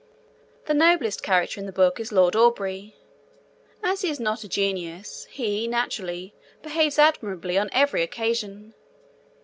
The noblest character in the book is Lord Aubrey. As he is not a genius he, naturally, behaves admirably on every occasion.